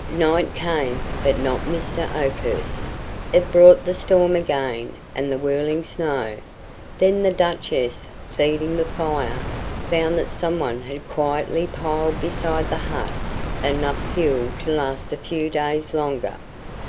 Night came, but not Mr. Oakhurst. It brought the storm again and the whirling snow. Then the Duchess, feeding the fire, found that someone had quietly piled beside the hut enough fuel to last a few days longer.